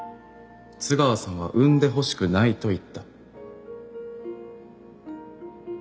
津川さんは産んでほしくないと言った。